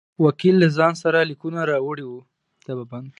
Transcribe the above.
وکیل له ځان سره لیکونه راوړي وه.